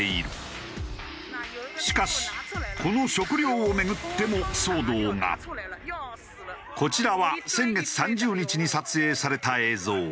しかしこのこちらは先月３０日に撮影された映像。